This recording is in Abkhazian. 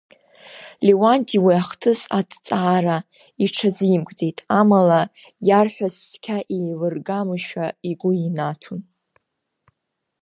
Леуанти уи ахҭыс аҭҵаара иҽазимкӡеит, амала иарҳәаз цқьа еилыргамызшәа игәы инаҭон.